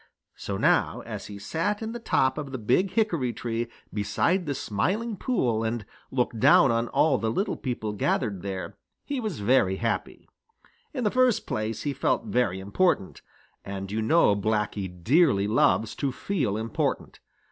So now, as he sat in the top of the Big Hickory tree beside the Smiling Pool and looked down on all the little people gathered there, he was very happy. In the first place he felt very important, and you know Blacky dearly loves to feel important.